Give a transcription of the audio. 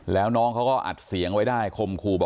แล้วก็ทำมาตลอดเลย